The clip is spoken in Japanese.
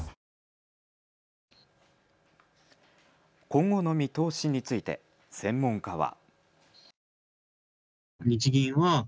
今後の見通しについて専門家は。